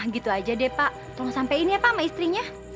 gitu aja deh pak tolong sampein ya pak sama istrinya